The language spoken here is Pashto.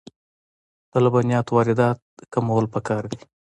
د لبنیاتو واردات کمول پکار دي